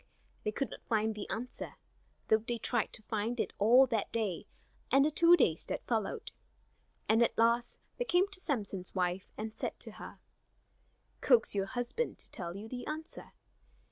They could not find the answer, though they tried to find it all that day and the two days that followed. And at last they came to Samson's wife and said to her: "Coax your husband to tell you the answer.